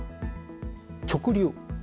直流。